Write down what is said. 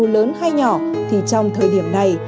lớn hay nhỏ thì trong thời điểm này